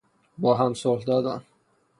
با هم صلح دادن